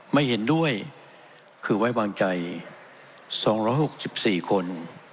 ไม่เห็นด้วยคือไว้วางใจ๒๖๔คน